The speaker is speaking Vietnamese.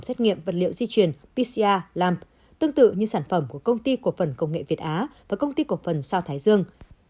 xét nghiệm vật liệu di truyền pcr lamp tương tự như sản phẩm của công ty cộng phần công nghệ việt á và công ty cộng phần sao thái dương